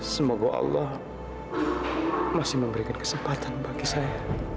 semoga allah masih memberikan kesempatan bagi saya